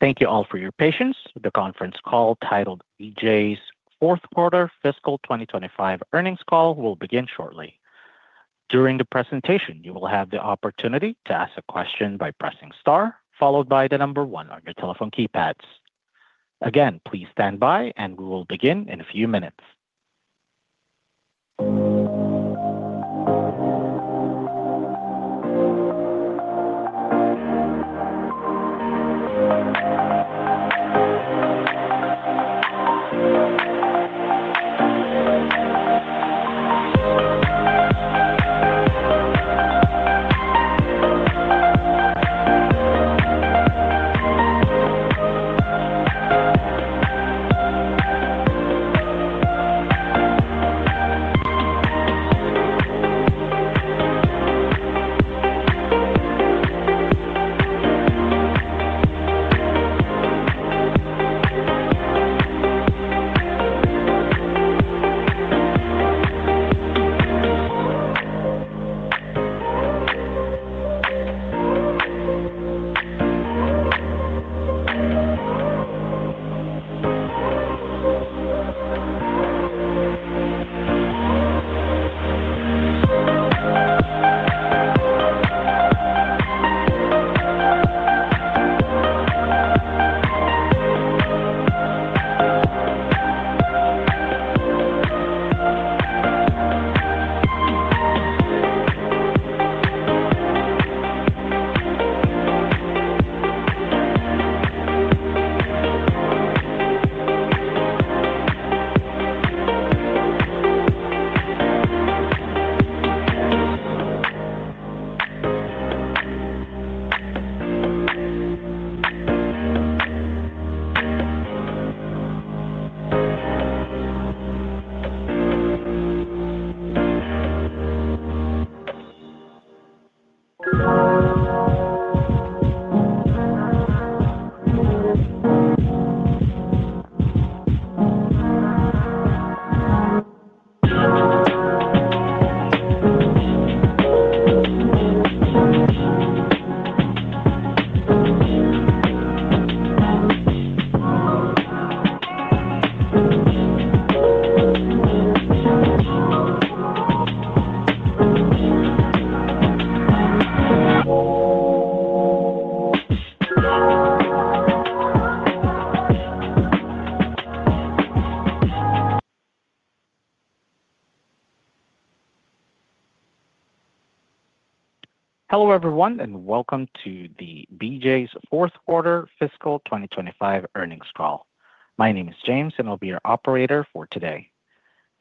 Thank you all for your patience. The conference call titled BJ's fourth quarter fiscal 2025 earnings call will begin shortly. During the presentation, you will have the opportunity to ask a question by pressing star followed by the number one on your telephone keypads. Please stand by and we will begin in a few minutes. Hello, everyone, and welcome to the BJ's fourth quarter fiscal 2025 earnings call. My name is James and I'll be your operator for today.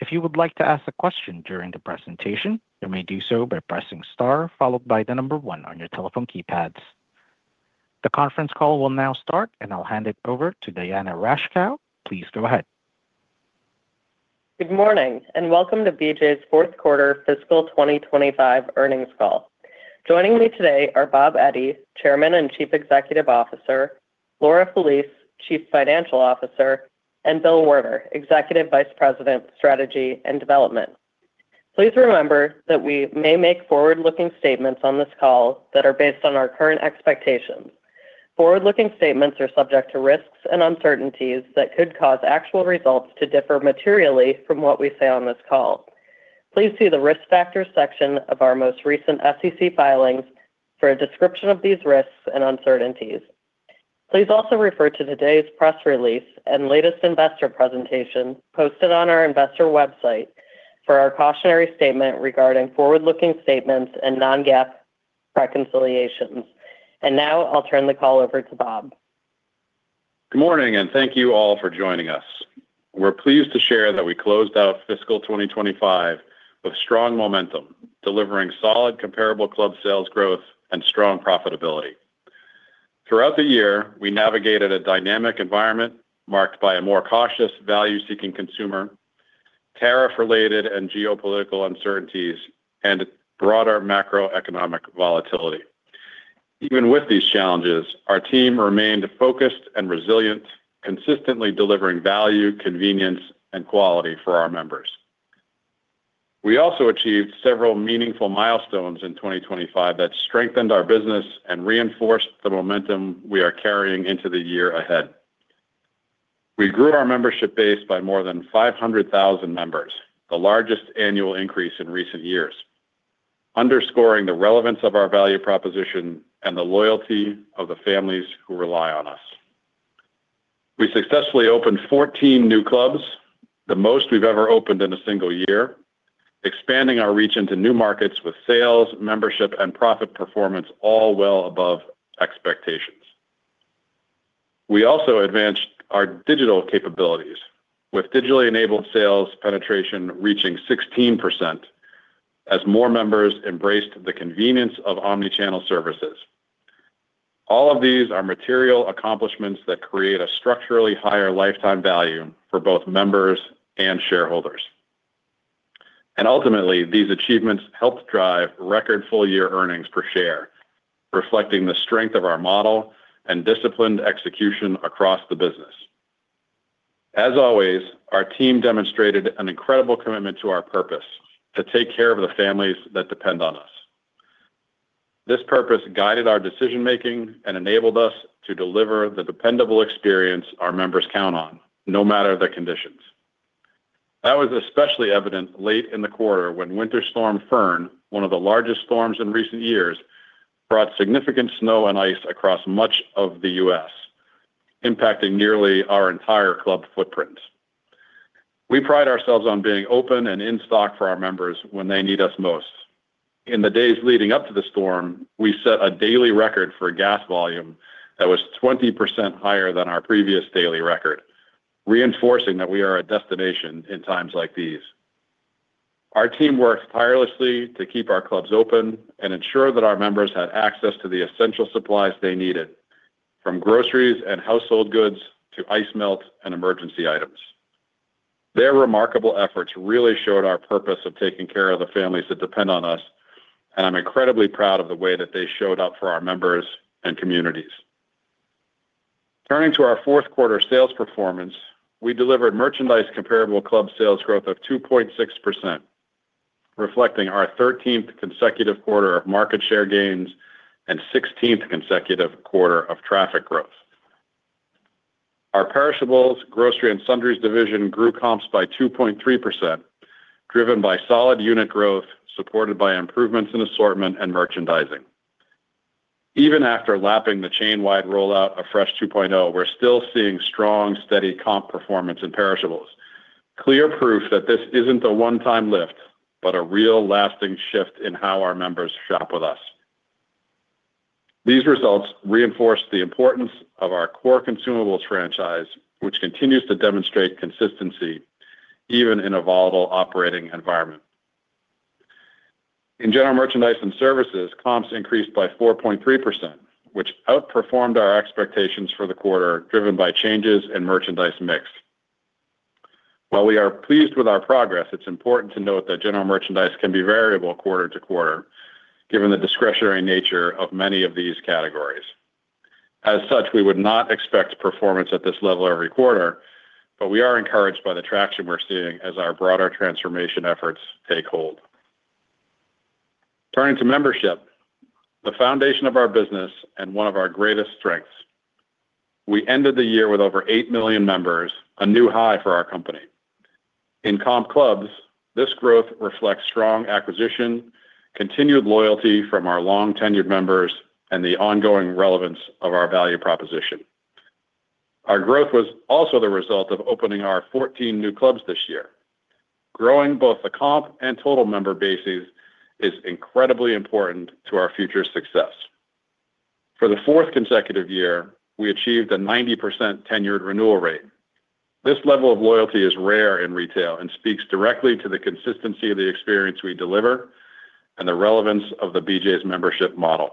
If you would like to ask a question during the presentation, you may do so by pressing star followed by the number one on your telephone keypads. The conference call will now start, and I'll hand it over to Cathy Park. Please go ahead. Good morning, and welcome to BJ's fourth quarter fiscal 2025 earnings call. Joining me today are Bob Eddy, Chairman and Chief Executive Officer, Laura Felice, Chief Financial Officer, and Bill Werner, Executive Vice President, Strategy and Development. Please remember that we may make forward-looking statements on this call that are based on our current expectations. Forward-looking statements are subject to risks and uncertainties that could cause actual results to differ materially from what we say on this call. Please see the Risk Factors section of our most recent SEC filings for a description of these risks and uncertainties. Please also refer to today's press release and latest investor presentation posted on our investor website for our cautionary statement regarding forward-looking statements and non-GAAP reconciliations. Now I'll turn the call over to Bob. Good morning, thank you all for joining us. We're pleased to share that we closed out fiscal 2025 with strong momentum, delivering solid comparable club sales growth and strong profitability. Throughout the year, we navigated a dynamic environment marked by a more cautious, value-seeking consumer, tariff-related and geopolitical uncertainties, and broader macroeconomic volatility. Even with these challenges, our team remained focused and resilient, consistently delivering value, convenience, and quality for our members. We also achieved several meaningful milestones in 2025 that strengthened our business and reinforced the momentum we are carrying into the year ahead. We grew our membership base by more than 500,000 members, the largest annual increase in recent years, underscoring the relevance of our value proposition and the loyalty of the families who rely on us. We successfully opened 14 new clubs, the most we've ever opened in a single year, expanding our reach into new markets with sales, membership, and profit performance all well above expectations. We also advanced our digital capabilities with digitally-enabled sales penetration reaching 16% as more members embraced the convenience of omni-channel services. All of these are material accomplishments that create a structurally higher lifetime value for both members and shareholders. Ultimately, these achievements helped drive record full-year earnings per share, reflecting the strength of our model and disciplined execution across the business. As always, our team demonstrated an incredible commitment to our purpose to take care of the families that depend on us. This purpose guided our decision-making and enabled us to deliver the dependable experience our members count on, no matter the conditions. That was especially evident late in the quarter when Winter Storm Fern, one of the largest storms in recent years, brought significant snow and ice across much of the U.S., impacting nearly our entire club footprint. We pride ourselves on being open and in stock for our members when they need us most. In the days leading up to the storm, we set a daily record for gas volume that was 20% higher than our previous daily record, reinforcing that we are a destination in times like these. our team works tirelessly to keep our clubs open and ensure that our members had access to the essential supplies they needed, from groceries and household goods to ice melt and emergency items. Their remarkable efforts really showed our purpose of taking care of the families that depend on us, and I'm incredibly proud of the way that they showed up for our members and communities. Turning to our fourth quarter sales performance, we delivered merchandise comparable club sales growth of 2.6%, reflecting our 13th consecutive quarter of market share gains and 16th consecutive quarter of traffic growth. our perishables, grocery, and sundries division grew comps by 2.3%, driven by solid unit growth, supported by improvements in assortment and merchandising. Even after lapping the chain-wide rollout of Fresh 2.0, we're still seeing strong, steady comp performance in perishables. Clear proof that this isn't a one-time lift, but a real lasting shift in how our members shop with us. These results reinforce the importance of our core consumables franchise, which continues to demonstrate consistency even in a volatile operating environment. In general merchandise and services, comps increased by 4.3%, which outperformed our expectations for the quarter, driven by changes in merchandise mix. While we are pleased with our progress, it's important to note that general merchandise can be variable quarter to quarter, given the discretionary nature of many of these categories. As such, we would not expect performance at this level every quarter, but we are encouraged by the traction we're seeing as our broader transformation efforts take hold. Turning to membership, the foundation of our business and one of our greatest strengths, we ended the year with over 8 million members, a new high for our company. In comp clubs, this growth reflects strong acquisition, continued loyalty from our long-tenured members, and the ongoing relevance of our value proposition. our growth was also the result of opening our 14 new clubs this year. Growing both the comp and total member bases is incredibly important to our future success. For the fourth consecutive year, we achieved a 90% tenured renewal rate. This level of loyalty is rare in retail and speaks directly to the consistency of the experience we deliver and the relevance of the BJ's membership model.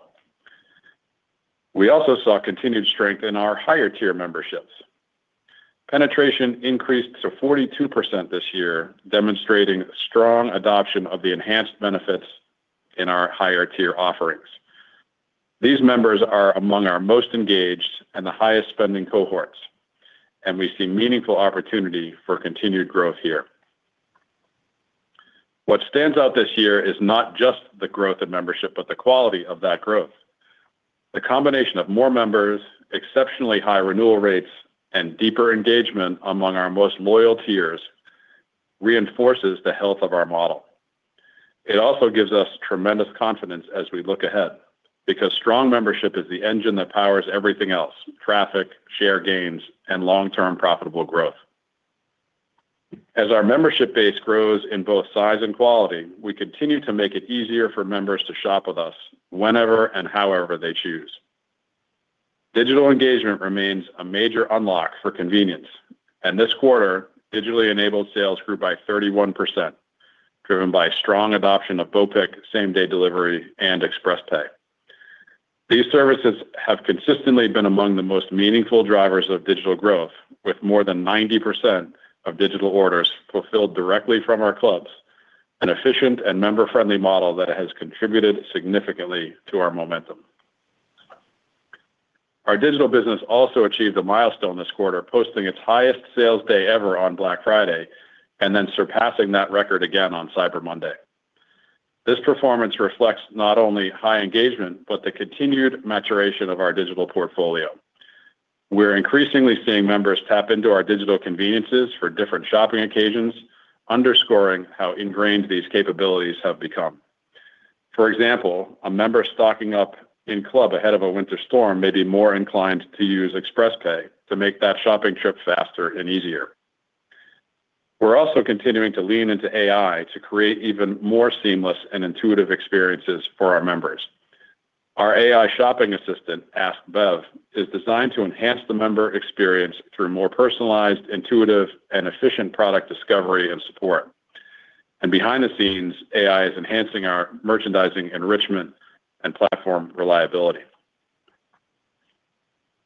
We also saw continued strength in our higher-tier memberships. Penetration increased to 42% this year, demonstrating strong adoption of the enhanced benefits in our higher-tier offerings. These members are among our most engaged and the highest-spending cohorts, and we see meaningful opportunity for continued growth here. What stands out this year is not just the growth of membership, but the quality of that growth. The combination of more members, exceptionally high renewal rates, and deeper engagement among our most loyal tiers reinforces the health of our model. It also gives us tremendous confidence as we look ahead because strong membership is the engine that powers everything else: traffic, share gains, and long-term profitable growth. As our membership base grows in both size and quality, we continue to make it easier for members to shop with us whenever and however they choose. Digital engagement remains a major unlock for convenience. This quarter, digitally enabled sales grew by 31%, driven by strong adoption of BOPIC, same-day delivery, and Express Pay. These services have consistently been among the most meaningful drivers of digital growth, with more than 90% of digital orders fulfilled directly from our clubs, an efficient and member-friendly model that has contributed significantly to our momentum. our digital business also achieved a milestone this quarter, posting its highest sales day ever on Black Friday and then surpassing that record again on Cyber Monday. This performance reflects not only high engagement, but the continued maturation of our digital portfolio. We're increasingly seeing members tap into our digital conveniences for different shopping occasions, underscoring how ingrained these capabilities have become. For example, a member stocking up in-club ahead of a winter storm may be more inclined to use Express Pay to make that shopping trip faster and easier. We're also continuing to lean into AI to create even more seamless and intuitive experiences for our members. our AI shopping assistant, Ask Bev, is designed to enhance the member experience through more personalized, intuitive, and efficient product discovery and support. Behind the scenes, AI is enhancing our merchandising enrichment and platform reliability.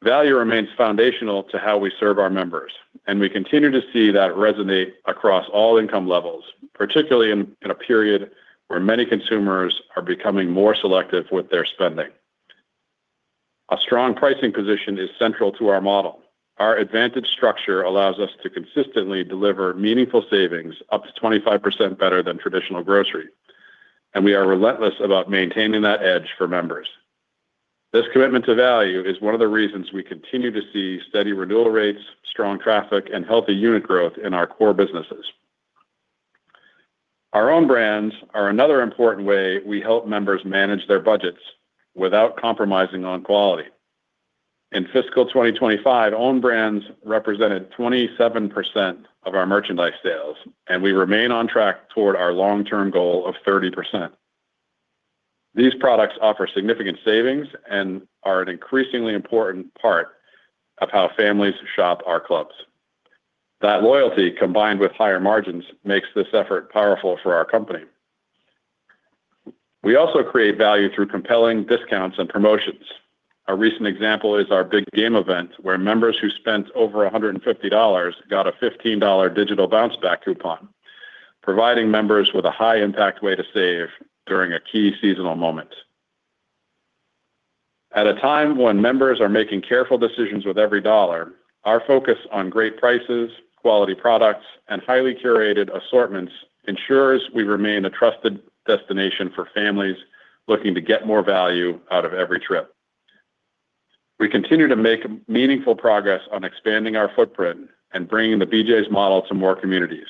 Value remains foundational to how we serve our members, and we continue to see that resonate across all income levels, particularly in a period where many consumers are becoming more selective with their spending. A strong pricing position is central to our model. our advantage structure allows us to consistently deliver meaningful savings up to 25% better than traditional grocery, and we are relentless about maintaining that edge for members. This commitment to value is one of the reasons we continue to see steady renewal rates, strong traffic, and healthy unit growth in our core businesses. our own brands are another important way we help members manage their budgets without compromising on quality. In fiscal 2025, own brands represented 27% of our merchandise sales. We remain on track toward our long-term goal of 30%. These products offer significant savings and are an increasingly important part of how families shop our clubs. That loyalty, combined with higher margins, makes this effort powerful for our company. We also create value through compelling discounts and promotions. A recent example is our big game event, where members who spent over $150 got a $15 digital bounce back coupon, providing members with a high-impact way to save during a key seasonal moment. At a time when members are making careful decisions with every dollar, our focus on great prices, quality products, and highly curated assortments ensures we remain a trusted destination for families looking to get more value out of every trip. We continue to make meaningful progress on expanding our footprint and bringing the BJ's model to more communities.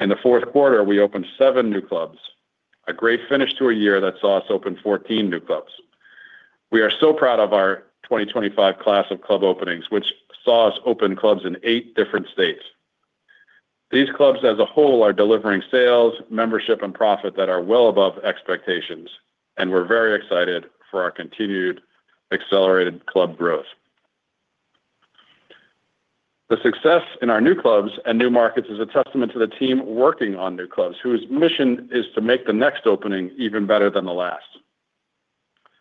In the fourth quarter, we opened seven new clubs, a great finish to a year that saw us open 14 new clubs. We are proud of our 2025 class of club openings, which saw us open clubs in eight different states. These clubs as a whole are delivering sales, membership, and profit that are well above expectations, we're very excited for our continued accelerated club growth. The success in our new clubs and new markets is a testament to the team working on new clubs, whose mission is to make the next opening even better than the last.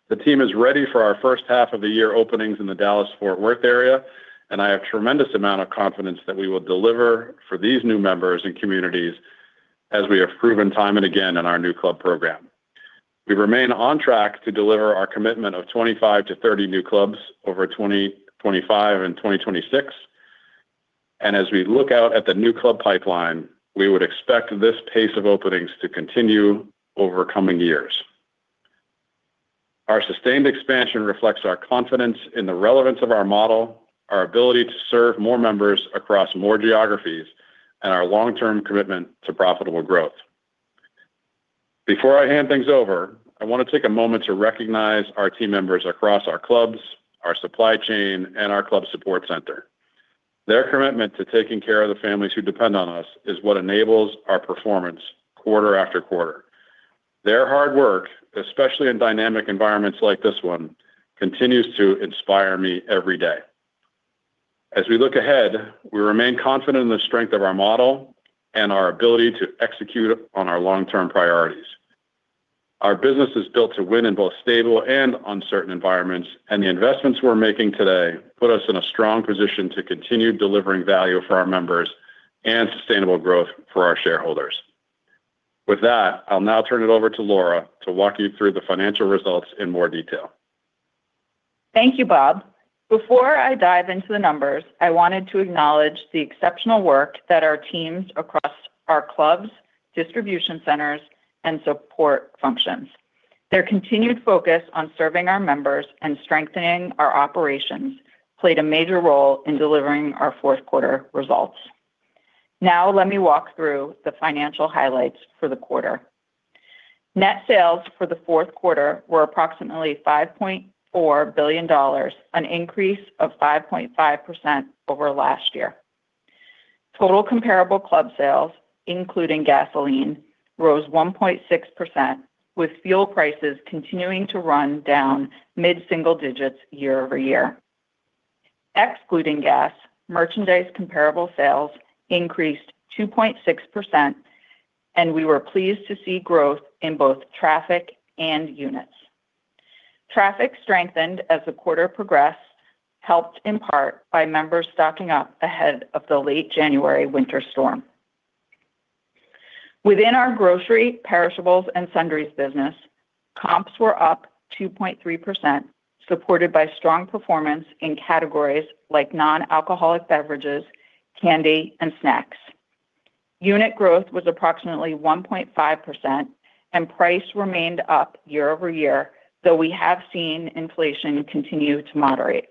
The team is ready for our first half of the year openings in the Dallas-Fort Worth area, and I have tremendous amount of confidence that we will deliver for these new members and communities as we have proven time and again in our new club program. We remain on track to deliver our commitment of 25-30 new clubs over 2025 and 2026. As we look out at the new club pipeline, we would expect this pace of openings to continue over coming years. our sustained expansion reflects our confidence in the relevance of our model, our ability to serve more members across more geographies, and our long-term commitment to profitable growth. Before I hand things over, I want to take a moment to recognize our team members across our clubs, our supply chain, and our club support center. Their commitment to taking care of the families who depend on us is what enables our performance quarter after quarter. Their hard work, especially in dynamic environments like this one, continues to inspire me every day. As we look ahead, we remain confident in the strength of our model and our ability to execute on our long-term priorities. our business is built to win in both stable and uncertain environments. The investments we're making today put us in a strong position to continue delivering value for our members and sustainable growth for our shareholders. With that, I'll now turn it over to Laura to walk you through the financial results in more detail. Thank you, Bob. Before I dive into the numbers, I wanted to acknowledge the exceptional work that our teams across our clubs, distribution centers, and support functions. Their continued focus on serving our members and strengthening our operations played a major role in delivering our fourth quarter results. Now, let me walk through the financial highlights for the quarter. Net sales for the fourth quarter were approximately $5.4 billion, an increase of 5.5% over last year. Total comparable club sales, including gasoline, rose 1.6%, with fuel prices continuing to run down mid-single digits year-over-year. Excluding gas, merchandise comparable sales increased 2.6%, and we were pleased to see growth in both traffic and units. Traffic strengthened as the quarter progressed, helped in part by members stocking up ahead of the late January winter storm. Within our grocery, perishables, and sundries business, comps were up 2.3%, supported by strong performance in categories like non-alcoholic beverages, candy, and snacks. Unit growth was approximately 1.5%. Price remained up year-over-year, though we have seen inflation continue to moderate.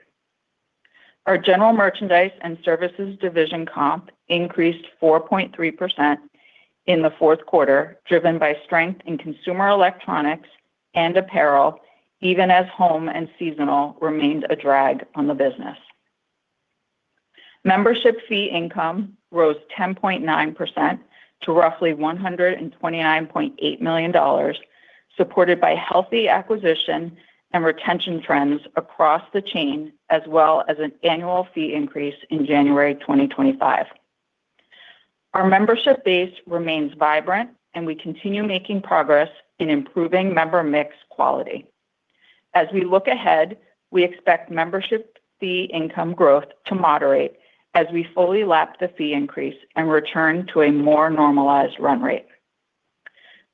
our general merchandise and services division comp increased 4.3% in the fourth quarter, driven by strength in consumer electronics and apparel, even as home and seasonal remained a drag on the business. Membership fee income rose 10.9% to roughly $129.8 million, supported by healthy acquisition and retention trends across the chain, as well as an annual fee increase in January 2025. our membership base remains vibrant. We continue making progress in improving member mix quality. As we look ahead, we expect membership fee income growth to moderate as we fully lap the fee increase and return to a more normalized run rate.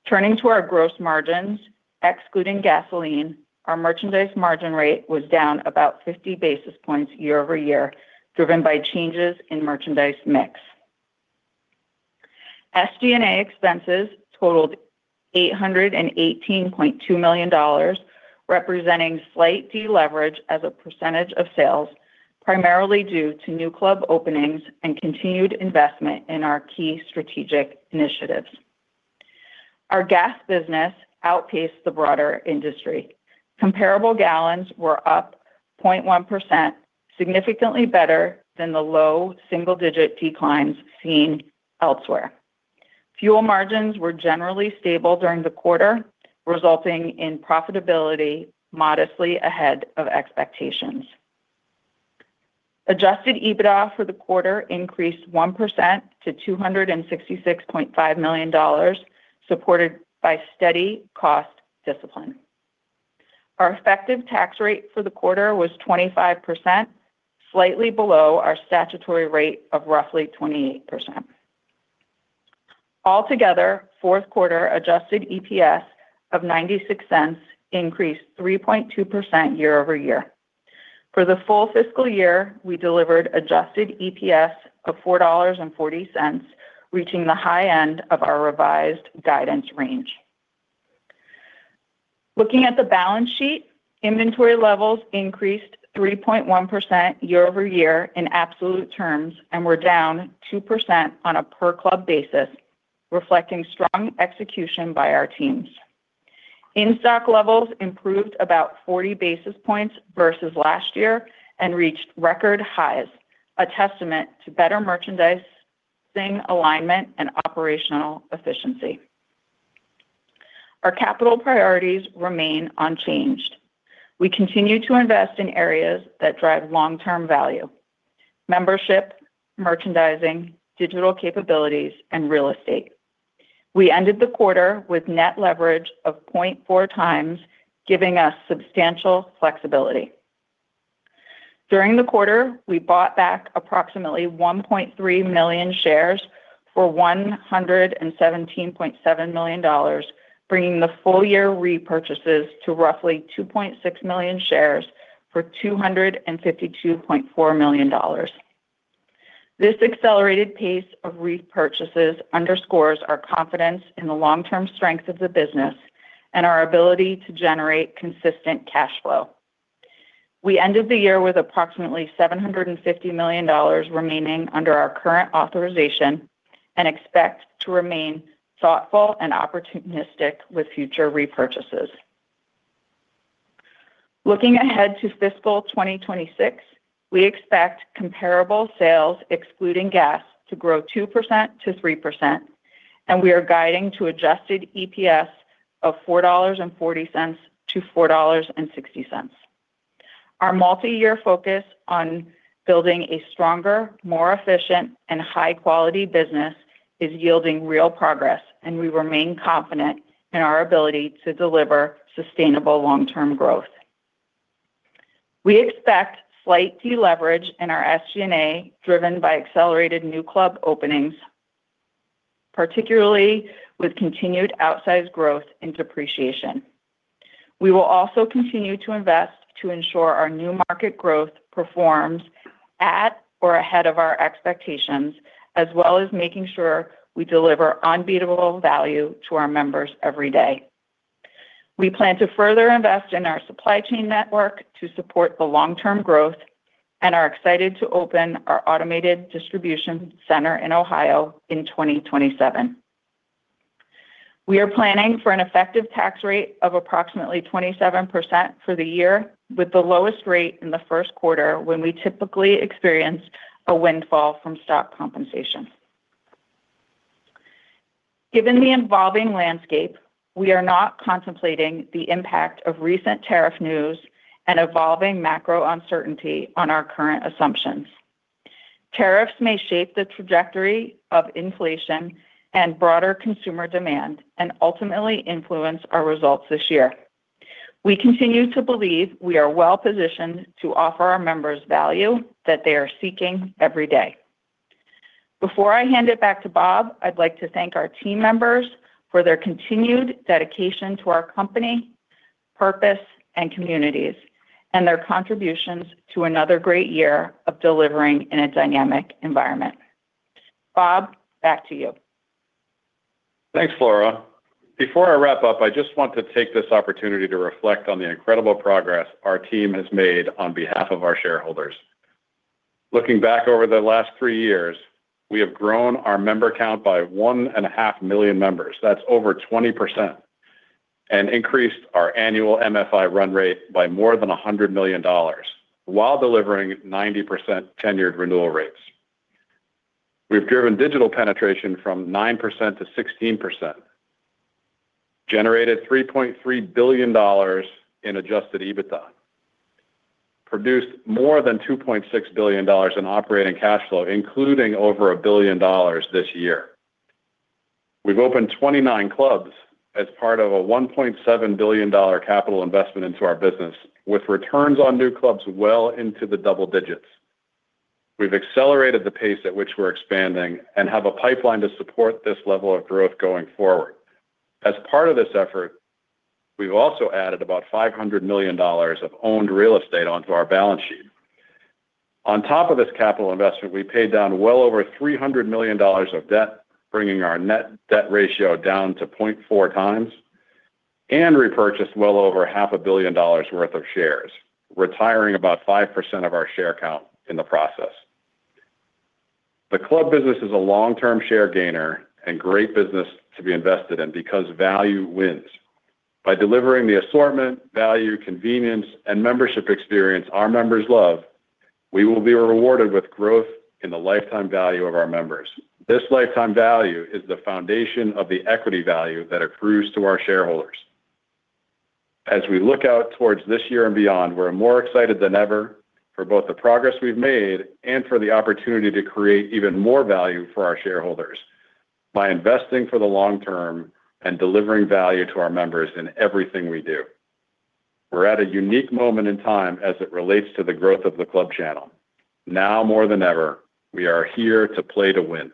Turning to our gross margins, excluding gasoline, our merchandise margin rate was down about 50 basis points year-over-year, driven by changes in merchandise mix. SG&A expenses totaled $818.2 million, representing slight deleverage as a percentage of sales, primarily due to new club openings and continued investment in our key strategic initiatives. our gas business outpaced the broader industry. Comparable gallons were up 0.1%, significantly better than the low single-digit declines seen elsewhere. Fuel margins were generally stable during the quarter, resulting in profitability modestly ahead of expectations. Adjusted EBITDA for the quarter increased 1% to $266.5 million, supported by steady cost discipline. our effective tax rate for the quarter was 25%, slightly below our statutory rate of roughly 28%. Altogether, fourth quarter adjusted EPS of $0.96 increased 3.2% year-over-year. For the full fiscal year, we delivered adjusted EPS of $4.40, reaching the high end of our revised guidance range. Looking at the balance sheet, inventory levels increased 3.1% year-over-year in absolute terms and were down 2% on a per-club basis, reflecting strong execution by our teams. In-stock levels improved about 40 basis points versus last year and reached record highs, a testament to better merchandising alignment and operational efficiency. our capital priorities remain unchanged. We continue to invest in areas that drive long-term value. Membership, merchandising, digital capabilities, and real estate. We ended the quarter with net leverage of 0.4x, giving us substantial flexibility. During the quarter, we bought back approximately 1.3 million shares for $117.7 million, bringing the full-year repurchases to roughly 2.6 million shares for $252.4 million. This accelerated pace of repurchases underscores our confidence in the long-term strength of the business and our ability to generate consistent cash flow. We ended the year with approximately $750 million remaining under our current authorization and expect to remain thoughtful and opportunistic with future repurchases. Looking ahead to fiscal 2026, we expect comparable sales, excluding gas, to grow 2%-3%, and we are guiding to adjusted EPS of $4.40-$4.60. our multiyear focus on building a stronger, more efficient, and high-quality business is yielding real progress, and we remain confident in our ability to deliver sustainable long-term growth. We expect slight deleverage in our SG&A, driven by accelerated new club openings, particularly with continued outsized growth in depreciation. We will also continue to invest to ensure our new market growth performs at or ahead of our expectations, as well as making sure we deliver unbeatable value to our members every day. We plan to further invest in our supply chain network to support the long-term growth and are excited to open our automated distribution center in Ohio in 2027. We are planning for an effective tax rate of approximately 27% for the year, with the lowest rate in the first quarter when we typically experience a windfall from stock compensation. Given the evolving landscape, we are not contemplating the impact of recent tariff news and evolving macro uncertainty on our current assumptions. Tariffs may shape the trajectory of inflation and broader consumer demand, and ultimately influence our results this year. We continue to believe we are well-positioned to offer our members value that they are seeking every day. Before I hand it back to Bob, I'd like to thank our team members for their continued dedication to our company, purpose, and communities, and their contributions to another great year of delivering in a dynamic environment. Bob, back to you. Thanks, Laura. Before I wrap up, I just want to take this opportunity to reflect on the incredible progress our team has made on behalf of our shareholders. Looking back over the last three years, we have grown our member count by 1.5 million members. That's over 20% and increased our annual MFI run rate by more than $100 million while delivering 90% tenured renewal rates. We've driven digital penetration from 9%-16%, generated $3.3 billion in adjusted EBITDA, produced more than $2.6 billion in operating cash flow, including over $1 billion this year. We've opened 29 clubs as part of a $1.7 billion capital investment into our business, with returns on new clubs well into the double digits. We've accelerated the pace at which we're expanding and have a pipeline to support this level of growth going forward. As part of this effort, we've also added about $500 million of owned real estate onto our balance sheet. On top of this capital investment, we paid down well over $300 million of debt, bringing our net debt ratio down to 0.4x, and repurchased well over half a billion dollars worth of shares, retiring about 5% of our share count in the process. The club business is a long-term share gainer and great business to be invested in because value wins. By delivering the assortment, value, convenience, and membership experience our members love, we will be rewarded with growth in the lifetime value of our members. This lifetime value is the foundation of the equity value that accrues to our shareholders. As we look out towards this year and beyond, we're more excited than ever for both the progress we've made and for the opportunity to create even more value for our shareholders by investing for the long term and delivering value to our members in everything we do. We're at a unique moment in time as it relates to the growth of the club channel. Now more than ever, we are here to play to win.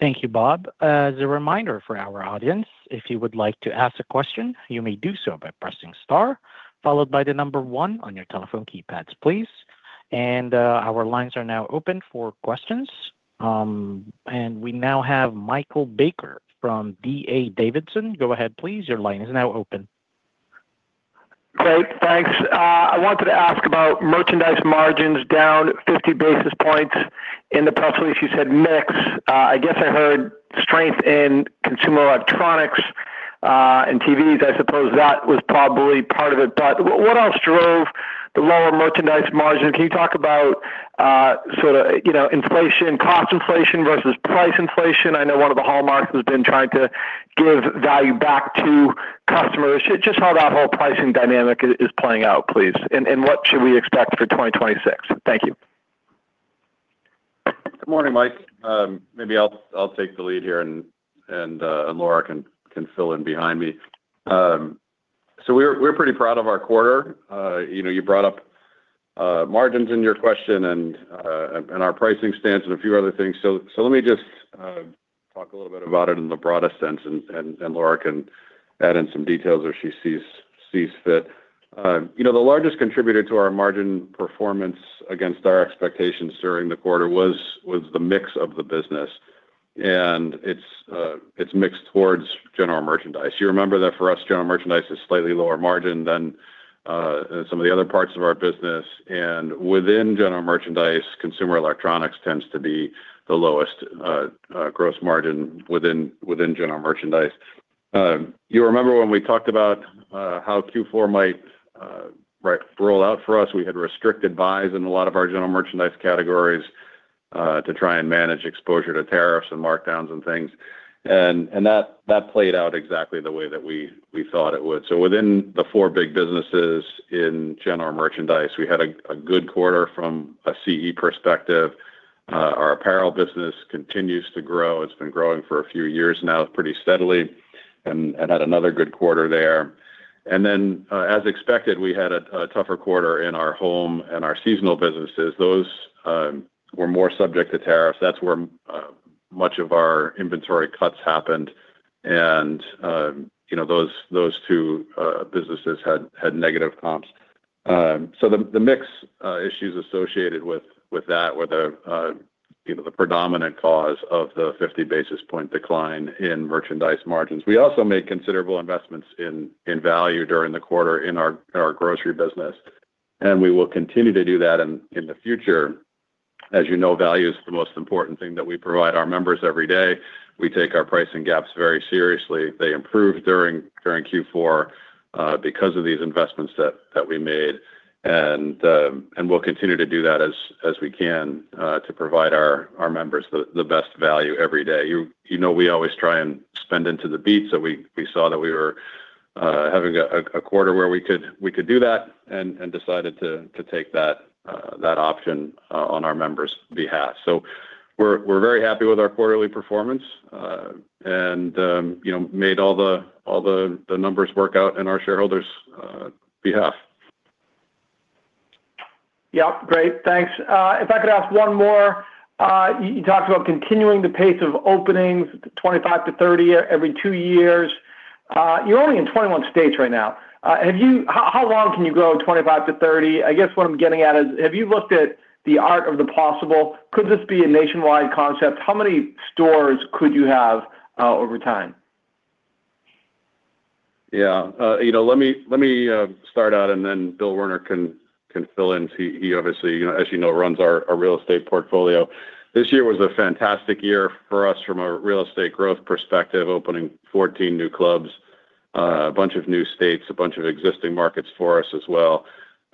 Thank you, Bob. As a reminder for our audience, if you would like to ask a question, you may do so by pressing star, followed by one on your telephone keypads, please. our lines are now open for questions. We now have Michael Baker from D.A. Davidson. Go ahead, please. Your line is now open. Great. Thanks. I wanted to ask about merchandise margins down 50 basis points. In the press release, you said mix. I guess I heard strength in consumer electronics, and TVs. I suppose that was probably part of it. What else drove the lower merchandise margin? Can you talk about, sort of, you know, inflation, cost inflation versus price inflation? I know one of the hallmarks has been trying to give value back to customers. Just how that whole pricing dynamic is playing out, please. What should we expect for 2026? Thank you. Good morning, Mike. Maybe I'll take the lead here and Laura can fill in behind me. We're pretty proud of our quarter. You know, you brought up margins in your question and our pricing stance and a few other things. Let me just talk a little bit about it in the broadest sense and Laura can add in some details as she sees fit. You know, the largest contributor to our margin performance against our expectations during the quarter was the mix of the business, and it's mixed towards general merchandise. You remember that for us, general merchandise is slightly lower margin than some of the other parts of our business, and within general merchandise, consumer electronics tends to be the lowest gross margin within general merchandise. You remember when we talked about how Q4 might roll out for us, we had restricted buys in a lot of our general merchandise categories to try and manage exposure to tariffs and markdowns and things. That played out exactly the way that we thought it would. Within the five big businesses in general merchandise, we had a good quarter from a CE perspective. our apparel business continues to grow. It's been growing for a few years now pretty steadily and had another good quarter there. Then, as expected, we had a tougher quarter in our home and our seasonal businesses. Those were more subject to tariffs. That's where much of our inventory cuts happened and, you know, those two businesses had negative comps. The mix issues associated with that were the, you know, the predominant cause of the 50 basis point decline in merchandise margins. We also made considerable investments in value during the quarter in our grocery business, and we will continue to do that in the future. As you know, value is the most important thing that we provide our members every day. We take our pricing gaps very seriously. They improved during Q4 because of these investments that we made and we'll continue to do that as we can to provide our members the best value every day. You know we always try and spend into the beats, so we saw that we were having a quarter where we could do that and decided to take that option on our members' behalf. We're very happy with our quarterly performance and, you know, made all the numbers work out in our shareholders' behalf. Yeah. Great. Thanks. if I could ask one more. you talked about continuing the pace of openings, 25-30 every two years. you're only in 21 states right now. How long can you grow 25-30? I guess what I'm getting at is, have you looked at the art of the possible? Could this be a nationwide concept? How many stores could you have, over time? Yeah. You know, let me, let me start out and then Bill Werner can fill in. He obviously, you know, as you know, runs our real estate portfolio. This year was a fantastic year for us from a real estate growth perspective, opening 14 new clubs, a bunch of new states, a bunch of existing markets for us as well.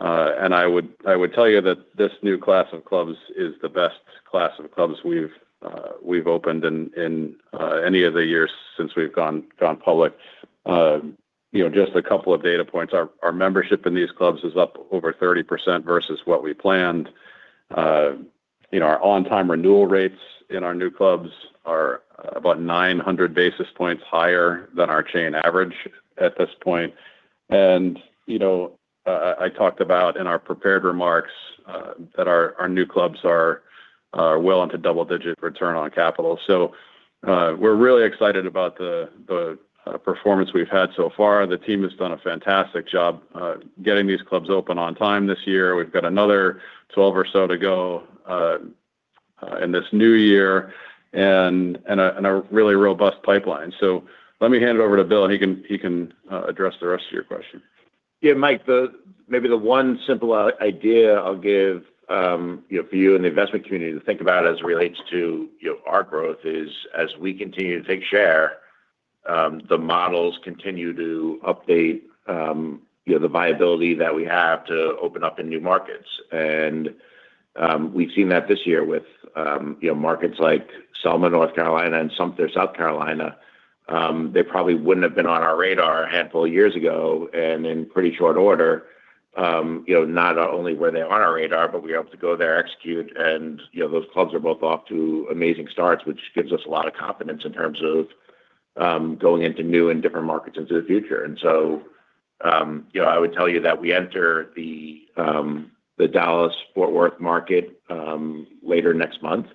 I would tell you that this new class of clubs is the best class of clubs we've opened in any of the years since we've gone public. You know, just a couple of data points. our membership in these clubs is up over 30% versus what we planned. You know, our on-time renewal rates in our new clubs are about 900 basis points higher than our chain average at this point. You know, I talked about in our prepared remarks that our new clubs are well into double-digit return on capital. We're really excited about the performance we've had so far. The team has done a fantastic job getting these clubs open on time this year. We've got another 12 or so to go in this new year and a really robust pipeline. Let me hand it over to Bill, and he can address the rest of your question. Yeah, Mike, maybe the one simple idea I'll give, you know, for you and the investment community to think about as it relates to, you know, our growth is, as we continue to take share, the models continue to update, you know, the viability that we have to open up in new markets. We've seen that this year with, you know, markets like Selma, North Carolina and Sumter, South Carolina. They probably wouldn't have been on our radar a handful of years ago, and in pretty short order, you know, not only were they on our radar, but we were able to go there, execute, and, you know, those clubs are both off to amazing starts, which gives us a lot of confidence in terms of going into new and different markets into the future. You know, I would tell you that we enter the Dallas-Fort Worth market later next month.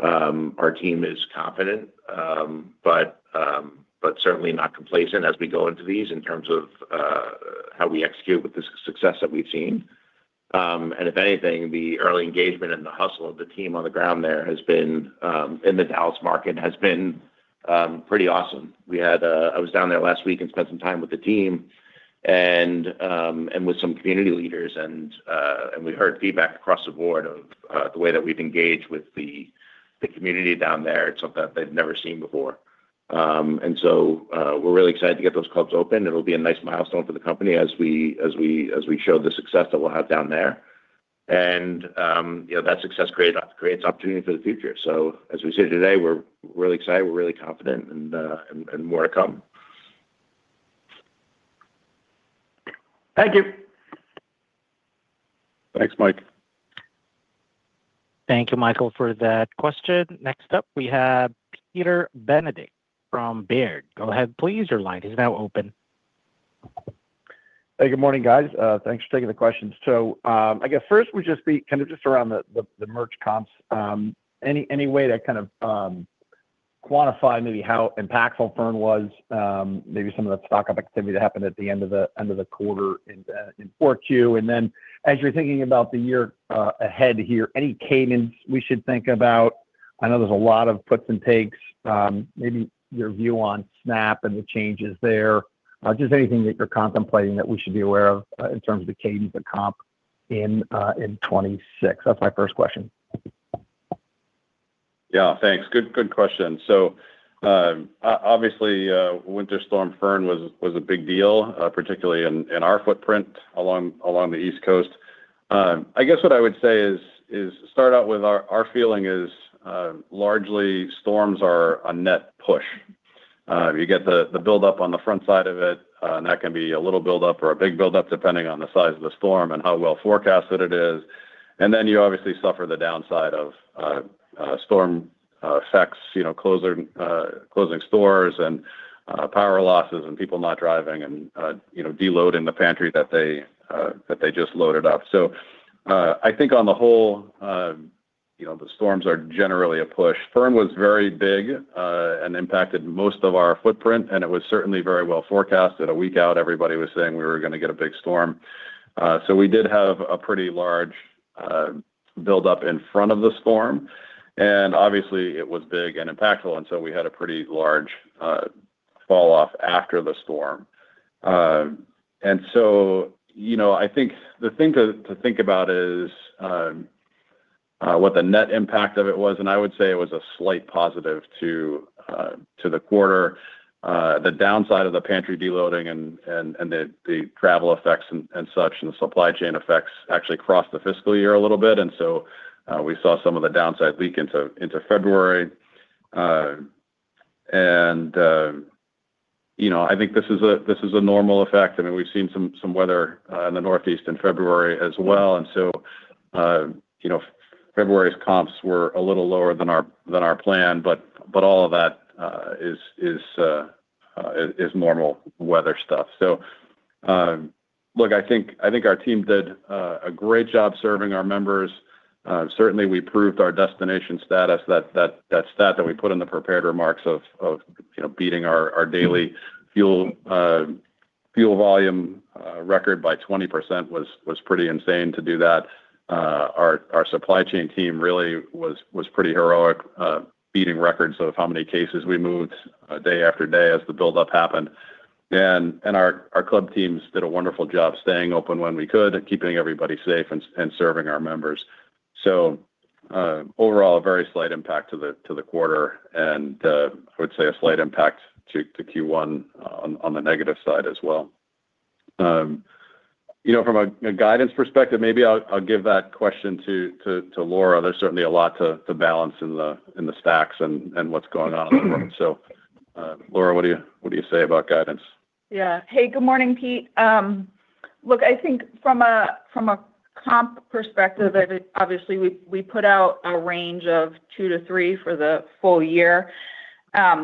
our team is confident, but certainly not complacent as we go into these in terms of how we execute with the success that we've seen. If anything, the early engagement and the hustle of the team on the ground there has been in the Dallas market, has been pretty awesome. I was down there last week and spent some time with the team and with some community leaders and we heard feedback across the board of the way that we've engaged with the community down there. It's something that they've never seen before. We're really excited to get those clubs open. It'll be a nice milestone for the company as we show the success that we'll have down there. You know, that success creates opportunity for the future. As we sit here today, we're really excited, we're really confident, and more to come. Thank you. Thanks, Mike. Thank you, Michael, for that question. Next up, we have Peter Benedict from Baird. Go ahead, please. Your line is now open. Hey, good morning, guys. Thanks for taking the questions. I guess first would just be kind of just around the merch comps. Any way to kind of quantify maybe how impactful Fern was, maybe some of the stock-up activity that happened at the end of the quarter in 4Q? As you're thinking about the year ahead here, any cadences we should think about? I know there's a lot of puts and takes. Maybe your view on SNAP and the changes there. Just anything that you're contemplating that we should be aware of in terms of the cadence of comp in 2026. That's my first question. Yeah. Thanks. Good, good question. Obviously, Winter Storm Fern was a big deal, particularly in our footprint along the East Coast. I guess what I would say is, start out with our feeling is, largely storms are a net push. You get the buildup on the front side of it, and that can be a little buildup or a big buildup, depending on the size of the storm and how well forecasted it is. Then you obviously suffer the downside of storm effects, you know, closing stores and power losses and people not driving and, you know, deloading the pantry that they just loaded up. I think on the whole, you know, the storms are generally a push. Fern was very big, and impacted most of our footprint, and it was certainly very well forecasted. A week out, everybody was saying we were gonna get a big storm. We did have a pretty large buildup in front of the storm, and obviously it was big and impactful. We had a pretty large fall off after the storm. you know, I think the thing to think about is what the net impact of it was, and I would say it was a slight positive to the quarter. The downside of the pantry deloading and the travel effects and such and the supply chain effects actually crossed the fiscal year a little bit. We saw some of the downside leak into February. You know, I think this is a normal effect. I mean, we've seen some weather in the Northeast in February as well. You know, February's comps were a little lower than our plan, but all of that is normal weather stuff. Look, I think our team did a great job serving our members. Certainly we proved our destination status. That stat that we put in the prepared remarks of, you know, beating our daily fuel volume record by 20% was pretty insane to do that. our supply chain team really was pretty heroic, beating records of how many cases we moved day after day as the buildup happened. our club teams did a wonderful job staying open when we could, keeping everybody safe, and serving our members. Overall, a very slight impact to the quarter and I would say a slight impact to Q1 on the negative side as well. You know, from a guidance perspective, maybe I'll give that question to Laura. There's certainly a lot to balance in the stacks and what's going on overall. Laura, what do you say about guidance? Yeah. Hey, good morning, Pete. look, I think from a comp perspective, I mean, obviously, we put out a range of 2%-3% for the full year. you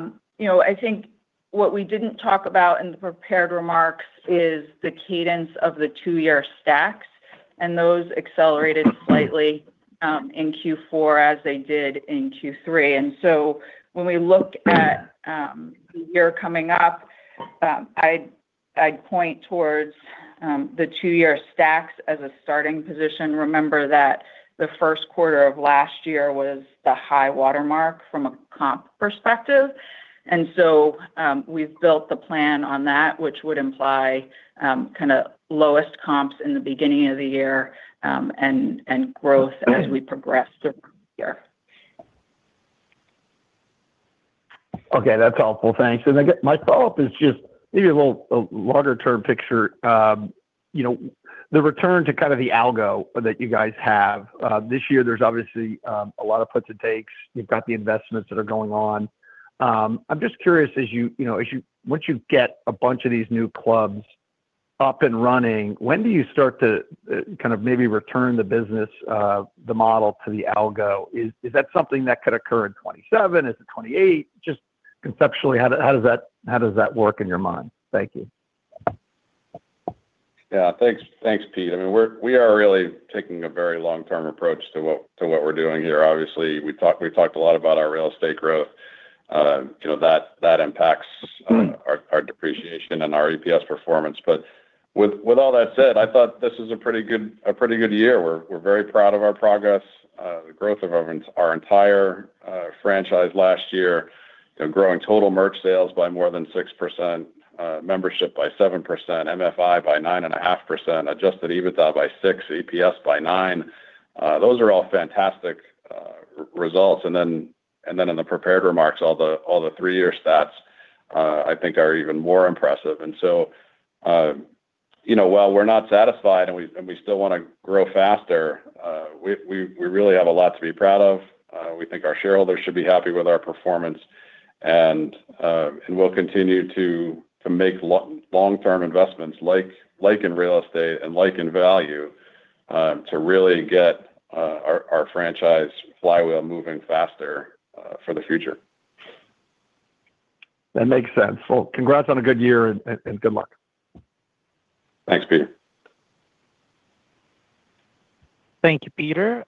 know, I think what we didn't talk about in the prepared remarks is the cadence of the two-year stacks, and those accelerated slightly, in Q4 as they did in Q3. When we look at, the year coming up, I'd point towards, the two-year stacks as a starting position. Remember that the first quarter of last year was the high watermark from a comp perspective. We've built the plan on that, which would imply, kinda lowest comps in the beginning of the year, and growth as we progress through the year. Okay. That's helpful. Thanks. My follow-up is just maybe a little longer-term picture. You know, the return to kind of the algo that you guys have this year, there's obviously a lot of puts and takes. You've got the investments that are going on. I'm just curious, as you know, once you get a bunch of these new clubs up and running, when do you start to kind of maybe return the business of the model to the algo? Is that something that could occur in 2027? Is it 2028? Just conceptually, how does that work in your mind? Thank you. Yeah. Thanks. Thanks, Pete. I mean, we are really taking a very long-term approach to what, to what we're doing here. Obviously, we talked a lot about our real estate growth. You know, that impacts our depreciation and our EPS performance. With all that said, I thought this is a pretty good year. We're very proud of our progress, the growth of our entire franchise last year. You know, growing total merch sales by more than 6%, membership by 7%, MFI by 9.5%, adjusted EBITDA by 6%, EPS by 9%. Those are all fantastic results. In the prepared remarks, all the three-year stats, I think are even more impressive. You know, while we're not satisfied, and we still wanna grow faster, we really have a lot to be proud of. We think our shareholders should be happy with our performance, and we'll continue to make long-term investments like in real estate and like in value, to really get our franchise flywheel moving faster for the future. That makes sense. Well, congrats on a good year and good luck. Thanks, Peter. Thank you, Peter.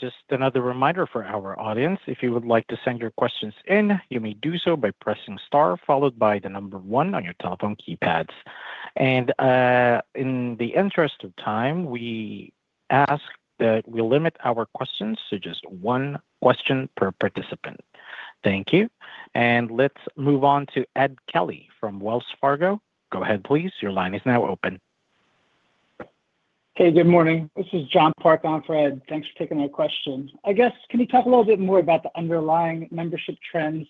Just another reminder for our audience, if you would like to send your questions in, you may do so by pressing star followed by the number 1 on your telephone keypads. In the interest of time, we ask that we limit our questions to just one question per participant. Thank you. Let's move on to Edward Kelly from Wells Fargo. Go ahead, please. Your line is now open. Okay. Good morning. This is John Park on for Ed. Thanks for taking my questions. I guess, can you talk a little bit more about the underlying membership trends?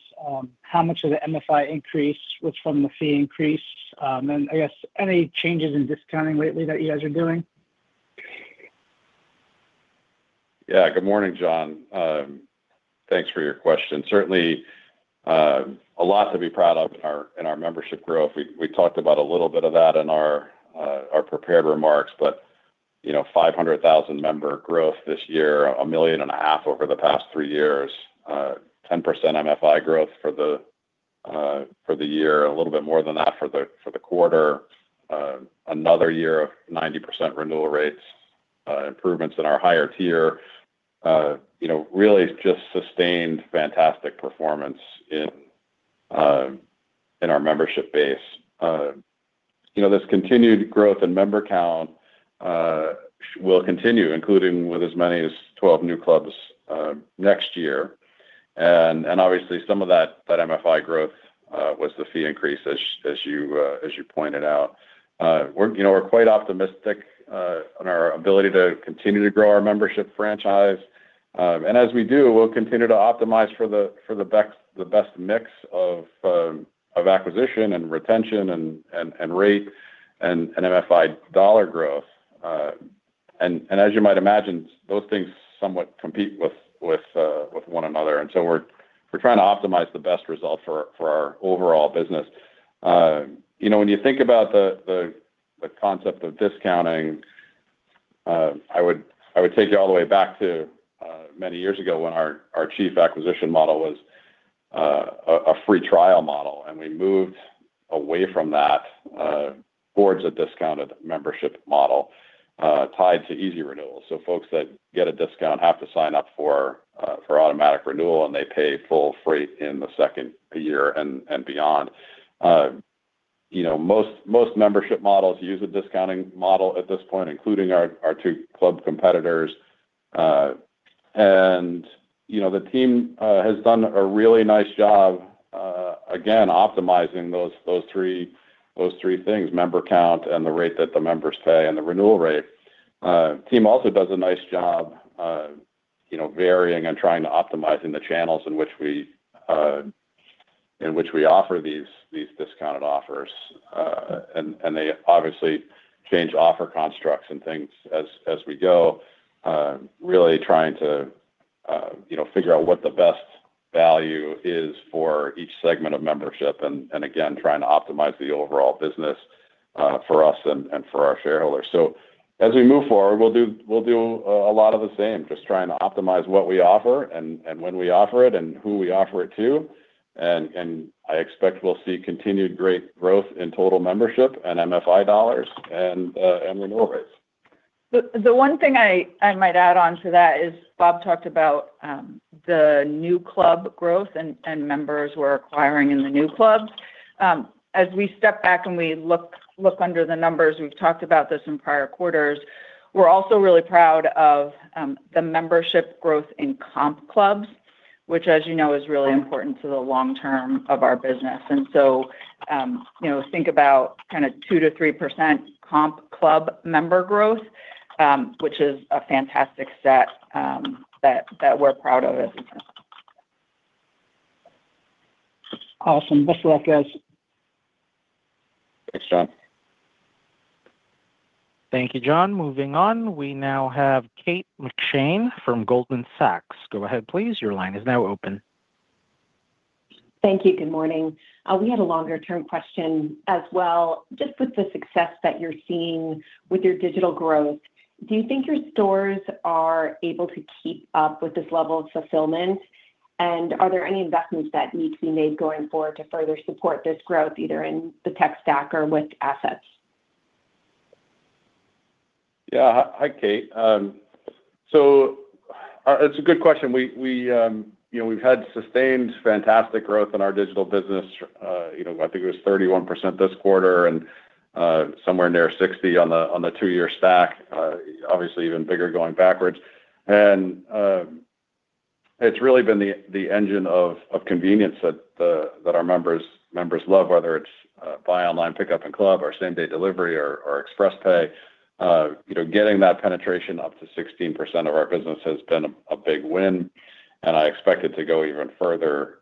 How much of the MFI increase was from the fee increase? I guess any changes in discounting lately that you guys are doing? Good morning, John. Thanks for your question. Certainly, a lot to be proud of in our membership growth. We talked about a little bit of that in our prepared remarks. You know, 500,000 member growth this year, $1.5 million over the past three years, 10% MFI growth for the year, a little bit more than that for the quarter, another year of 90% renewal rates, improvements in our higher tier, you know, really just sustained fantastic performance in our membership base. You know, this continued growth in member count will continue, including with as many as 12 new clubs next year. Obviously some of that MFI growth was the fee increase as you pointed out. We're, you know, we're quite optimistic on our ability to continue to grow our membership franchise. As we do, we'll continue to optimize for the best mix of acquisition and retention and rate and MFI dollar growth. As you might imagine, those things somewhat compete with one another. So we're trying to optimize the best result for our overall business. You know, when you think about the concept of discounting, I would take you all the way back to many years ago when our chief acquisition model was a free trial model, and we moved away from that towards a discounted membership model, tied to easy renewals. Folks that get a discount have to sign up for automatic renewal, and they pay full freight in the second year and beyond. You know, most membership models use a discounting model at this point, including our two club competitors. You know, the team has done a really nice job again, optimizing those three things, member count and the rate that the members pay and the renewal rate. Team also does a nice job, you know, varying and trying to optimizing the channels in which we offer these discounted offers. They obviously change offer constructs and things as we go, really trying to, you know, figure out what the best value is for each segment of membership and again trying to optimize the overall business, for us and for our shareholders. As we move forward, we'll do a lot of the same, just trying to optimize what we offer and when we offer it and who we offer it to. I expect we'll see continued great growth in total membership and MFI dollars and renewal rates. The one thing I might add on to that is Bob talked about the new club growth and members we're acquiring in the new clubs. As we step back and we look under the numbers, we've talked about this in prior quarters, we're also really proud of the membership growth in comp clubs, which as you know, is really important to the long term of our business. You know, think about kind of 2%-3% comp club member growth, which is a fantastic set that we're proud of. Awesome. Best of luck, guys. Thanks, John. Thank you, John. Moving on, we now have Kate McShane from Goldman Sachs. Go ahead please. Your line is now open. Thank you. Good morning. We had a longer-term question as well. Just with the success that you're seeing with your digital growth, do you think your stores are able to keep up with this level of fulfillment? Are there any investments that need to be made going forward to further support this growth, either in the tech stack or with assets? Yeah. Hi, Kate. It's a good question. We, you know, we've had sustained fantastic growth in our digital business. You know, I think it was 31% this quarter and somewhere near 60% on the two-year stack. Obviously even bigger going backwards. It's really been the engine of convenience that our members love, whether it's buy online pickup in club or same-day delivery or ExpressPay. You know, getting that penetration up to 16% of our business has been a big win, and I expect it to go even further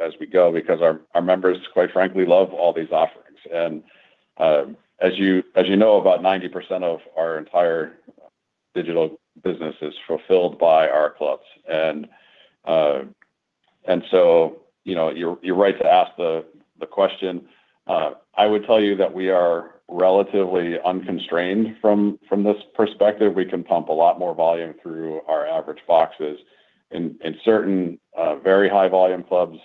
as we go because our members, quite frankly, love all these offerings. As you know, about 90% of our entire digital business is fulfilled by our clubs. You know, you're right to ask the question. I would tell you that we are relatively unconstrained from this perspective. We can pump a lot more volume through our average boxes. In certain, very high volume clubs,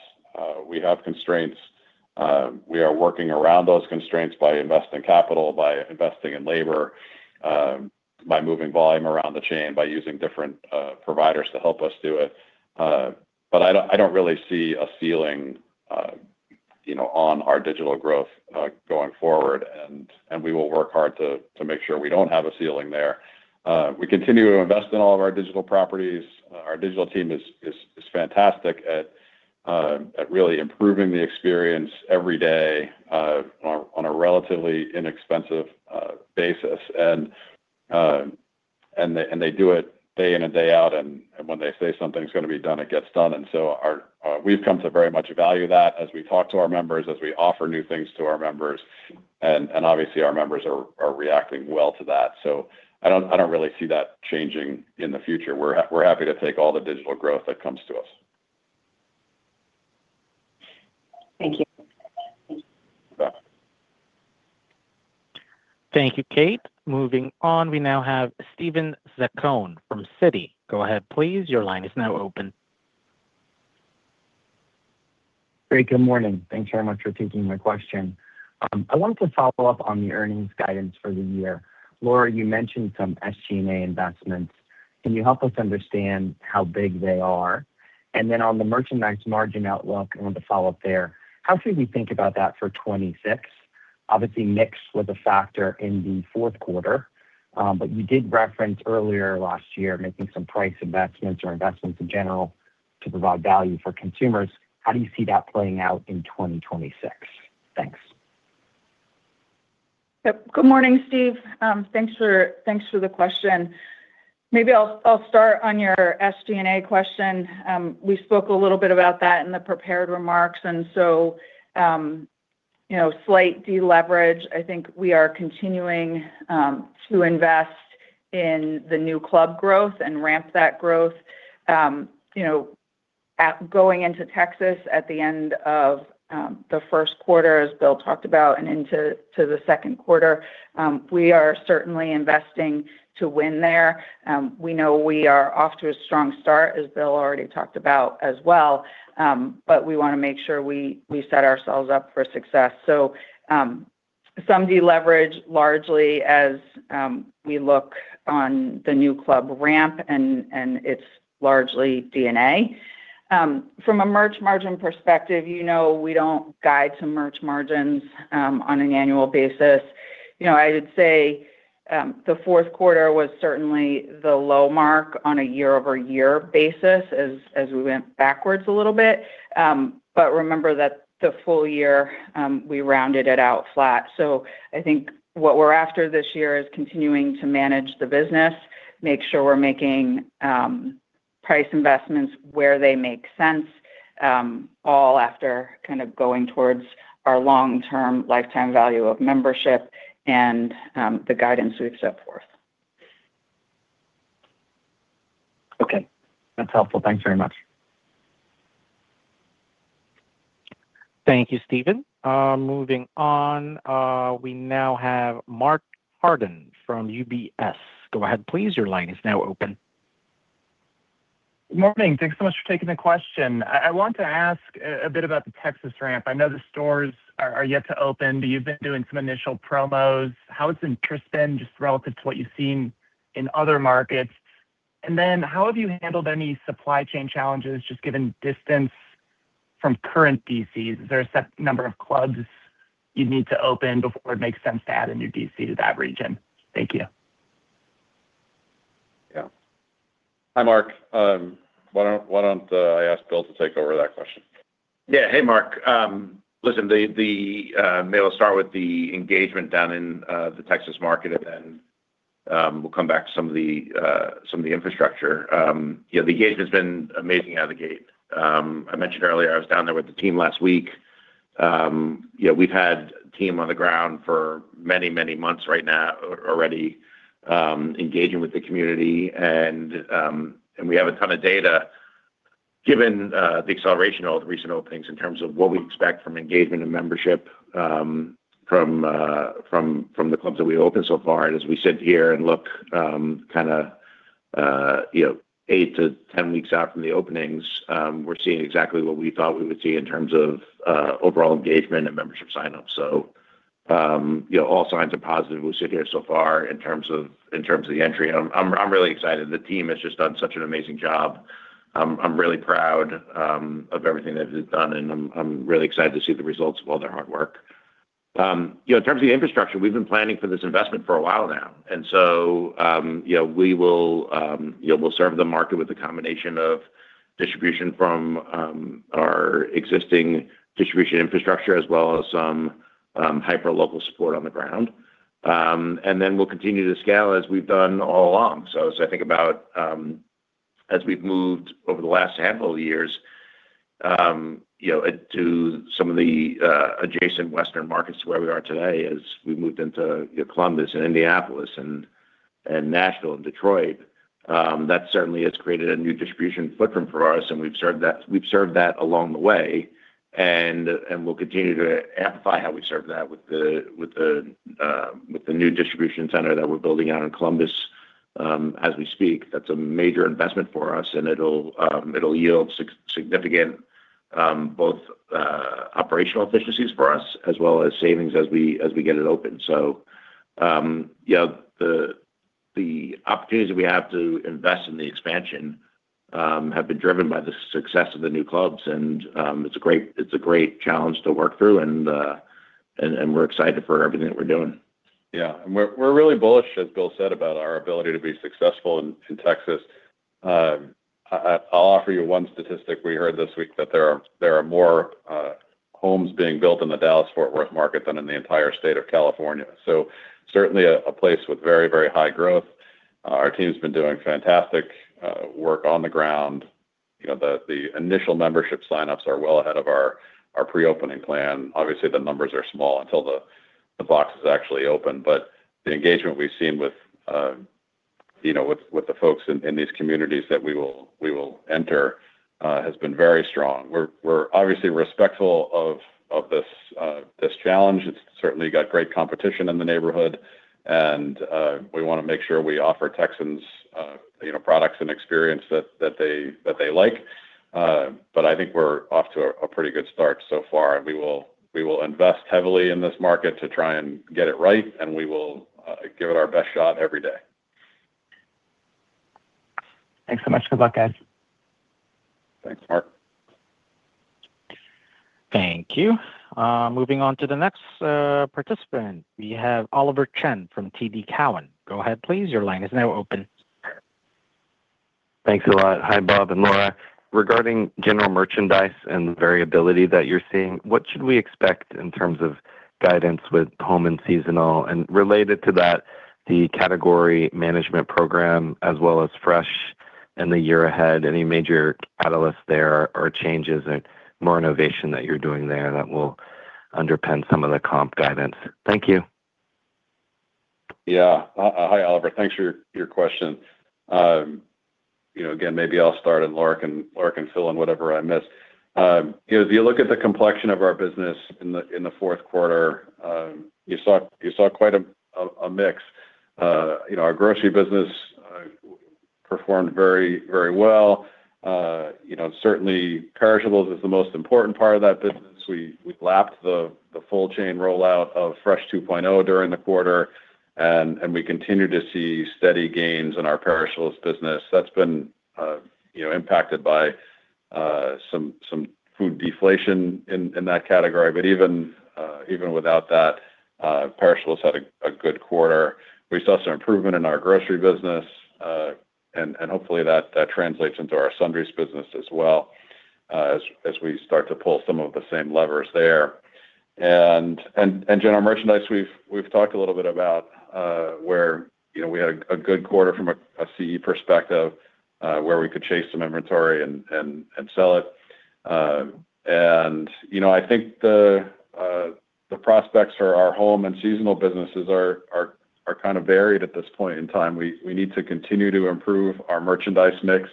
we have constraints. We are working around those constraints by investing capital, by investing in labor, by moving volume around the chain, by using different providers to help us do it. I don't really see a ceiling, you know, on our digital growth going forward. We will work hard to make sure we don't have a ceiling there. We continue to invest in all of our digital properties. our digital team is fantastic at really improving the experience every day on a relatively inexpensive basis. They do it day in and day out. When they say something's gonna be done, it gets done. We've come to very much value that as we talk to our members, as we offer new things to our members. Obviously, our members are reacting well to that. I don't really see that changing in the future. We're happy to take all the digital growth that comes to us. Thank you. You bet. Thank you, Kate. Moving on, we now have Steven Zaccone from Citi. Go ahead, please. Your line is now open. Great, good morning. Thanks very much for taking my question. I wanted to follow up on the earnings guidance for the year. Laura, you mentioned some SG&A investments. Can you help us understand how big they are? Then on the merchandise margin outlook, I wanted to follow up there. How should we think about that for 2026? Obviously, mix was a factor in the fourth quarter. You did reference earlier last year making some price investments or investments in general to provide value for consumers. How do you see that playing out in 2026? Thanks. Yep. Good morning, Steve. Thanks for the question. Maybe I'll start on your SG&A question. We spoke a little bit about that in the prepared remarks. You know, slight deleverage. I think we are continuing to invest in the new club growth and ramp that growth. You know, going into Texas at the end of the first quarter, as Bill talked about, and into the second quarter, we are certainly investing to win there. We know we are off to a strong start, as Bill already talked about as well. We wanna make sure we set ourselves up for success. Some deleverage largely as we look on the new club ramp, and it's largely DNA. From a merch margin perspective, you know, we don't guide to merch margins on an annual basis. You know, I would say the fourth quarter was certainly the low mark on a year-over-year basis as we went backwards a little bit. Remember that the full year, we rounded it out flat. I think what we're after this year is continuing to manage the business, make sure we're making. Price investments where they make sense, all after kind of going towards our long-term lifetime value of membership and the guidance we've set forth. Okay. That's helpful. Thanks very much. Thank you, Steven. Moving on, we now have Mark Carden from UBS. Go ahead, please. Your line is now open. Morning. Thanks so much for taking the question. I want to ask a bit about the Texas ramp. I know the stores are yet to open, but you've been doing some initial promos. How has interest been just relative to what you've seen in other markets? How have you handled any supply chain challenges, just given distance from current DCs? Is there a set number of clubs you'd need to open before it makes sense to add a new DC to that region? Thank you. Yeah. Hi, Mark. Why don't I ask Bill to take over that question? Yeah. Hey, Mark. listen, the maybe I'll start with the engagement down in the Texas market, and then we'll come back to some of the infrastructure. you know, the engagement's been amazing out of the gate. I mentioned earlier I was down there with the team last week. you know, we've had team on the ground for many, many months right now already, engaging with the community and we have a ton of data given the acceleration of the recent openings in terms of what we expect from engagement and membership from the clubs that we opened so far. As we sit here and look, 8-10 weeks out from the openings, we're seeing exactly what we thought we would see in terms of overall engagement and membership signups. All signs are positive. We sit here so far in terms of the entry. I'm really excited. The team has just done such an amazing job. I'm really proud of everything that they've done, and I'm really excited to see the results of all their hard work. In terms of the infrastructure, we've been planning for this investment for a while now. You know, we will, you know, we'll serve the market with a combination of distribution from our existing distribution infrastructure as well as some hyper local support on the ground. Then we'll continue to scale as we've done all along. I think about, as we've moved over the last handful of years, you know, to some of the adjacent Western markets to where we are today as we've moved into, you know, Columbus and Indianapolis and Nashville and Detroit, that certainly has created a new distribution footprint for us, and we've served that, we've served that along the way. We'll continue to amplify how we serve that with the, with the, with the new distribution center that we're building out in Columbus, as we speak. That's a major investment for us, and it'll yield significant, both, operational efficiencies for us as well as savings as we, as we get it open. Yeah, the opportunities that we have to invest in the expansion, have been driven by the success of the new clubs and, it's a great, it's a great challenge to work through and we're excited for everything that we're doing. Yeah. We're really bullish, as Bill said, about our ability to be successful in Texas. I'll offer you one statistic. We heard this week that there are more homes being built in the Dallas-Fort Worth market than in the entire state of California. Certainly a place with very, very high growth. our team's been doing fantastic work on the ground. You know, the initial membership sign-ups are well ahead of our pre-opening plan. Obviously, the numbers are small until the boxes actually open. The engagement we've seen with, you know, with the folks in these communities that we will enter has been very strong. We're obviously respectful of this challenge. It's certainly got great competition in the neighborhood, and we wanna make sure we offer Texans, you know, products and experience that they like. I think we're off to a pretty good start so far, and we will invest heavily in this market to try and get it right, and we will give it our best shot every day. Thanks so much. Good luck, guys. Thanks, Mark. Thank you. Moving on to the next participant. We have Oliver Chen from TD Cowen. Go ahead, please. Your line is now open. Thanks a lot. Hi, Bob and Laura. Regarding general merchandise and the variability that you're seeing, what should we expect in terms of guidance with home and seasonal? Related to that, the category management program as well as Fresh in the year ahead, any major catalysts there or changes or more innovation that you're doing there that will underpin some of the comp guidance? Thank you. Yeah. Hi, Oliver. Thanks for your question. You know, again, maybe I'll start and Laura can fill in whatever I miss. You know, if you look at the complexion of our business in the fourth quarter, you saw quite a mix. You know, our grocery business performed very, very well. You know, certainly perishables is the most important part of that business. We lapped the full chain rollout of Fresh 2.0 during the quarter, and we continue to see steady gains in our perishables business. That's been, you know, impacted by some food deflation in that category. But even without that, perishables had a good quarter. We saw some improvement in our grocery business, and hopefully that translates into our sundries business as well. As we start to pull some of the same levers there. General merchandise, we've talked a little bit about where, you know, we had a good quarter from a CE perspective, where we could chase some inventory and sell it. You know, I think the prospects for our home and seasonal businesses are kind of varied at this point in time. We need to continue to improve our merchandise mix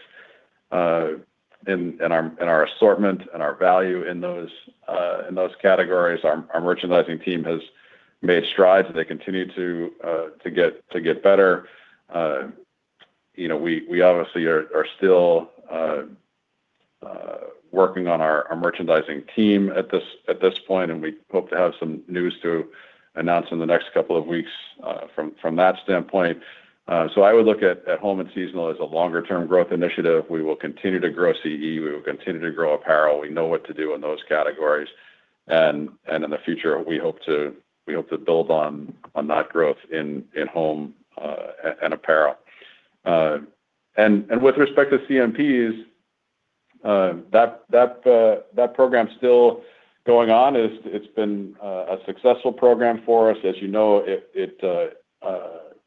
in our assortment and our value in those categories. our merchandising team has made strides. They continue to get better. You know, we obviously are still working on our merchandising team at this point, and we hope to have some news to announce in the next couple of weeks, from that standpoint. I would look at home and seasonal as a longer term growth initiative. We will continue to grow CE. We will continue to grow apparel. We know what to do in those categories and in the future, we hope to build on that growth in home and apparel. With respect to CMPs, that program's still going on. It's been a successful program for us. As you know, it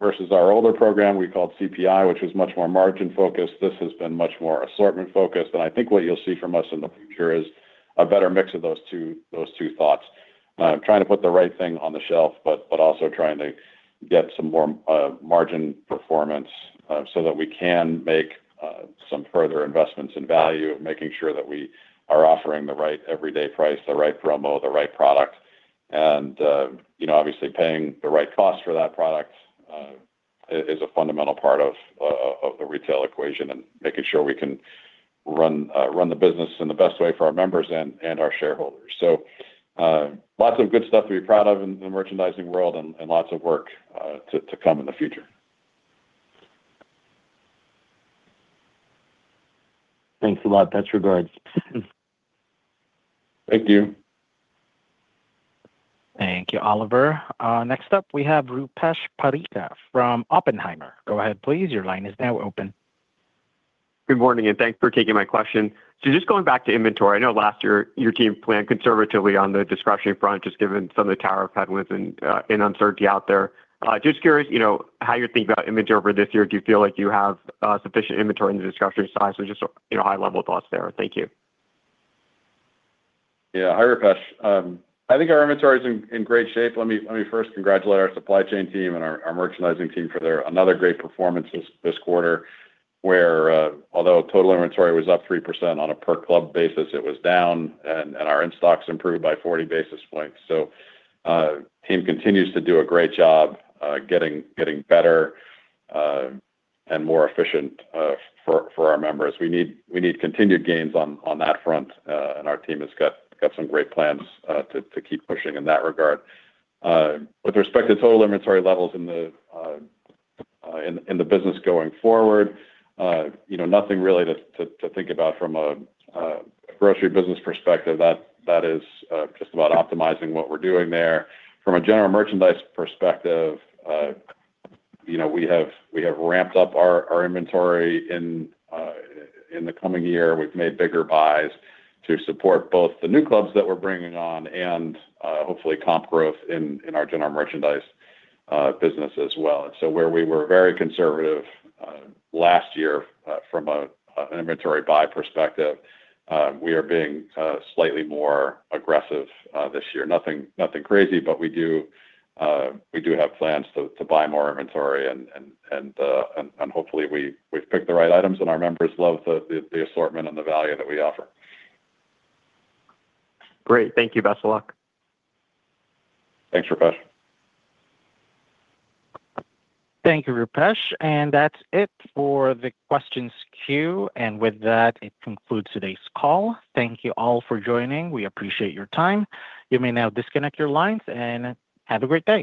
versus our older program we called CPI, which was much more margin focused, this has been much more assortment focused. I think what you'll see from us in the future is a better mix of those two thoughts. Trying to put the right thing on the shelf, but also trying to get some more margin performance so that we can make some further investments in value, making sure that we are offering the right everyday price, the right promo, the right product. You know, obviously paying the right cost for that product is a fundamental part of the retail equation and making sure we can run the business in the best way for our members and our shareholders. Lots of good stuff to be proud of in the merchandising world and lots of work to come in the future. Thanks a lot. That's regards. Thank you. Thank you, Oliver. Next up we have Rupesh Parikh from Oppenheimer. Go ahead, please. Your line is now open. Good morning, and thanks for taking my question. Just going back to inventory, I know last year your team planned conservatively on the discretionary front, just given some of the tariff headwinds and uncertainty out there. Just curious, you know, how you think about inventory over this year. Do you feel like you have sufficient inventory in the discretionary side? Just, you know, high-level thoughts there. Thank you. Yeah. Hi, Rupesh. I think our inventory is in great shape. Let me first congratulate our supply chain team and our merchandising team for their another great performance this quarter where, although total inventory was up 3% on a per club basis, it was down and our in-stocks improved by 40 basis points. Team continues to do a great job getting better and more efficient for our members. We need continued gains on that front. And our team has got some great plans to keep pushing in that regard. With respect to total inventory levels in the business going forward, you know, nothing really to think about from a grocery business perspective. That is just about optimizing what we're doing there. From a general merchandise perspective, you know, we have ramped up our inventory in the coming year. We've made bigger buys to support both the new clubs that we're bringing on and hopefully comp growth in our general merchandise business as well. Where we were very conservative last year from an inventory buy perspective, we are being slightly more aggressive this year. Nothing crazy, but we do have plans to buy more inventory and hopefully we've picked the right items and our members love the assortment and the value that we offer. Great. Thank you. Best of luck. Thanks, Rupesh. Thank you, Rupesh. That's it for the questions queue. With that, it concludes today's call. Thank you all for joining. We appreciate your time. You may now disconnect your lines, and have a great day.